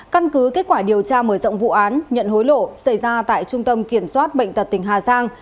căn cứ kết quả điều tra mở rộng vụ án nhận hối lộ xảy ra tại trung tâm kiểm soát bệnh tật tỉnh hà giang